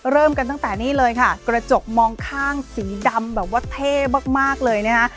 เริ่มกันตั้งแต่นี่เลยค่ะกระจกมองข้างสีดำแบบว่าเท่มากเลยนะคะ